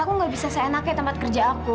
aku nggak bisa seenaknya tempat kerja aku